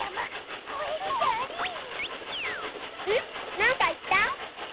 なんかいった？